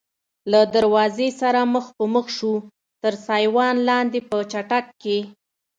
له دروازې سره مخ په مخ شوو، تر سایوان لاندې په چټک کې.